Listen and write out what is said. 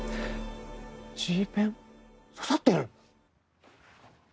Ｇペン？刺さってる？